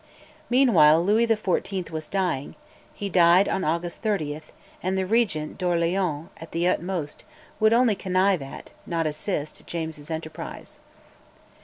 Meanwhile Louis XIV. was dying; he died on August 30, and the Regent d'Orleans, at the utmost, would only connive at, not assist, James's enterprise.